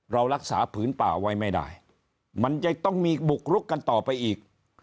เรารักษาผืนป่าไว้ไม่ได้มันจะต้องมีบุกรุกกันต่อไปอีก